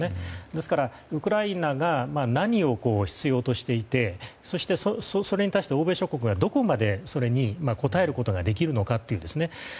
ですから、ウクライナが何を必要としていてそして、それに対して欧米諸国がどこまでそれに応えることができるのかという。